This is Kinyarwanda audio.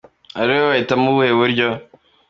Ari wowe wahitamo ubuhe buryo ??!!!.